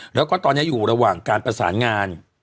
แล้วก็ตอนนี้อยู่ระหว่างการประสานงาน